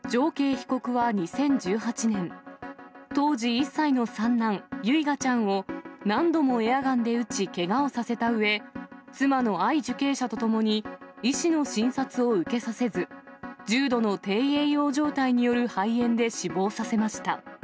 判決によりますと、常慶被告は２０１８年、当時１歳の三男、唯雅ちゃんを何度もエアガンで撃ちけがをさせたうえ、妻の藍受刑者とともに医師の診察を受けさせず、重度の低栄養状態による肺炎で死亡させました。